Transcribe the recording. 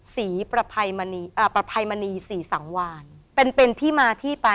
สีประภัยมณีอ่าประภัยมณีสีสังวานเป็นเป็นที่มาที่ไป